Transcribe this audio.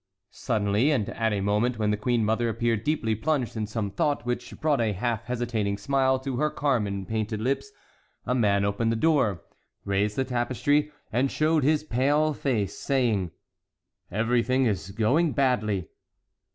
Suddenly, and at a moment when the queen mother appeared deeply plunged in some thought which brought a half hesitating smile to her carmen painted lips, a man opened the door, raised the tapestry, and showed his pale face, saying: "Everything is going badly."